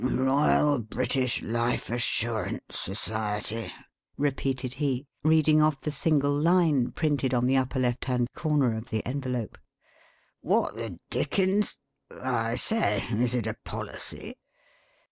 "'Royal British Life Assurance Society,'" repeated he, reading off the single line printed on the upper left hand corner of the envelope. "What the dickens I say, is it a policy?"